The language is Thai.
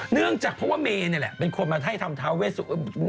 เนื่องจากเพราะว่าเมย์นี่แหละเป็นคนมาให้ทำท้าเวส